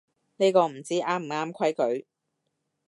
呢個唔知啱唔啱規矩